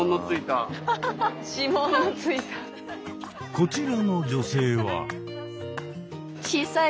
こちらの女性は。